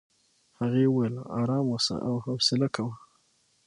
هغې وویل ارام اوسه او حوصله کوه.